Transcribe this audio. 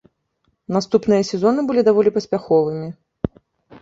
Наступныя сезоны былі даволі паспяховымі.